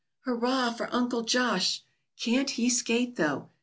"Hurrah for Uncle Josh!" "Can't he skate, though!"